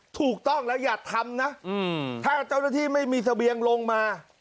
ถูกต้องแล้วอย่าทำนะถ้าเจ้าหน้าที่ไม่มีเสบียงลงมา